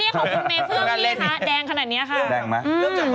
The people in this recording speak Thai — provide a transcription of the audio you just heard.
นี่ของคุณพี่เฟื่องนี่ดูนะคะแดงขนาดนี้ค่ะ